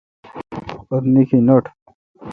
اُتھ نیکھ نٹ۔